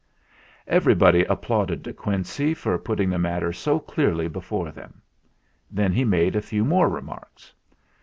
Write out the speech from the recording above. Everybody applauded De Quincey for put ting the matter so clearly before them. Then he made a few more remarks.